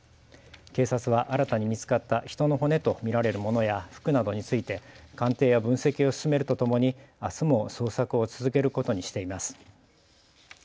警察は新たに見つかった人の骨と見られるものや服などについて鑑定や分析を進めるとともにあすも捜索を続けることにしています。